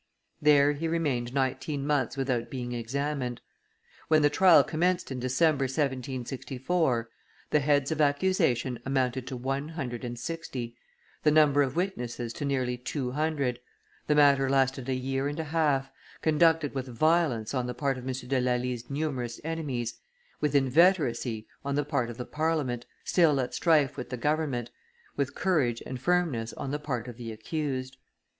There he remained nineteen months without being examined. When the trial commenced in December, 1764, the heads of accusation amounted to one hundred and sixty, the number of witnesses to nearly two hundred; the matter lasted a year and a half, conducted with violence on the part of M. de Lally's numerous enemies, with inveteracy on the part of the Parliament, still at strife with the government, with courage and firmness on the part of the accused.